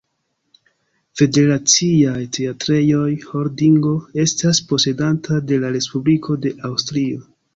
Federaciaj Teatrejoj-Holdingo estas posedanta de la Respubliko de Aŭstrio.